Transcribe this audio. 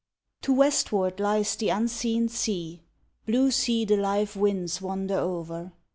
To westward lies the unseen sea, Blue sea the live winds wander o'er.